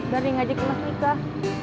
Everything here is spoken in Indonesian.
dari gak dikenal nikah